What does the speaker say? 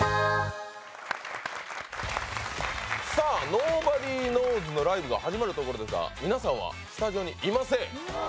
ｎｏｂｏｄｙｋｎｏｗｓ＋のライブが始まるところですが、皆さんはスタジオにいません。